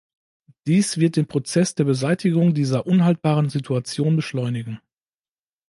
Dies wird den Prozess der Beseitigung dieser unhaltbaren Situation beschleunigen.